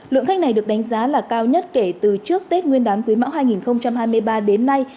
lượng khách này được đánh giá là cao nhất kể từ trước tết nguyên đán quý mão hai nghìn hai mươi ba đến nay